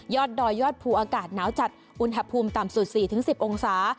ดอยยอดภูอากาศหนาวจัดอุณหภูมิต่ำสุด๔๑๐องศา